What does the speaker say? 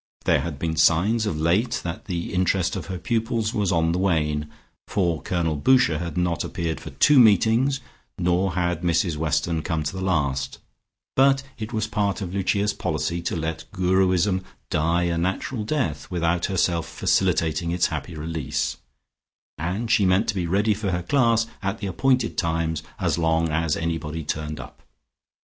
There had been signs of late that the interest of her pupils was on the wane, for Colonel Boucher had not appeared for two meetings, nor had Mrs Weston come to the last, but it was part of Lucia's policy to let Guruism die a natural death without herself facilitating its happy release, and she meant to be ready for her class at the appointed times as long as anybody turned up.